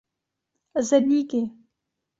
Zedníky.